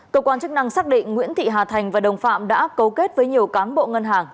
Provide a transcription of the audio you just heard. cơ quan chức năng xác định nguyễn thị hà thành và đồng phạm đã cấu kết với nhiều cán bộ ngân hàng